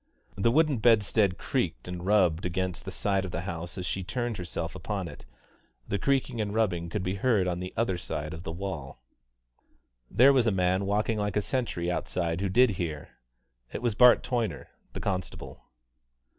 The wooden bedstead creaked, and rubbed against the side of the house as she turned herself upon it. The creaking and rubbing could be heard on the other side of the wall. There was a man walking like a sentry outside who did hear. It was Bart Toyner, the constable.